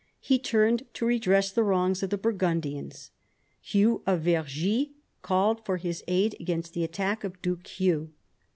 He turned to redress the wrongs of the Burgundians. Hugh of Vergy called for his aid against the attack of Duke Hugh.